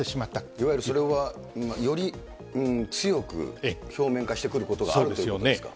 いわゆるそれは、より強く表面化してくることがあるということですか。